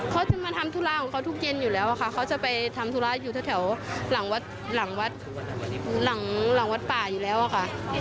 เขาจะมาทำธุราของเขาทุกเย็นอยู่แล้วค่ะเขาจะไปทำธุราอยู่ถ้าแถวหลังวัดป่าอยู่แล้วค่ะ